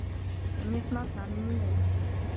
لم يسمع سامي من ليلى.